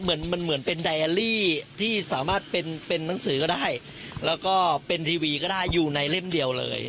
เหมือนมันเหมือนเป็นไดอารี่ที่สามารถเป็นเป็นหนังสือก็ได้แล้วก็เป็นทีวีก็ได้อยู่ในเล่มเดียวเลย